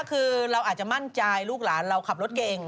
คือเราอาจจะมั่นใจลูกหลานเราขับรถเก่ง